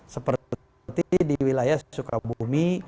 seperti di wilayah sukabumi